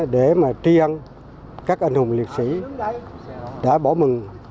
để mà tri ân các anh hùng liệt sĩ đã bổ mừng